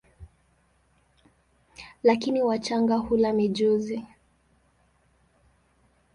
Lakini wachanga hula mijusi.